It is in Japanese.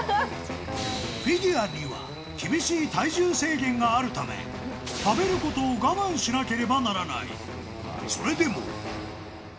フィギュアには、厳しい体重制限があるため、食べることを我慢しなければならない。